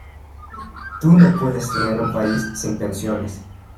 Tú no puedes tener un país sin pensiones.